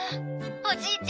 「おじいちゃん